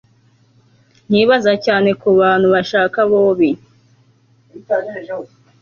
nkibaza cyane kubantu bashaka bobi